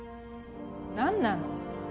何なの